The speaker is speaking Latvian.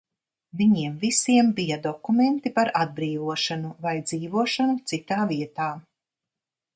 Viņiem visiem bija dokumenti par atbrīvošanu, vai dzīvošanu citā vietā.